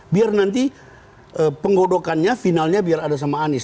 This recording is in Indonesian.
biar nanti penggodokannya finalnya biar ada sama anies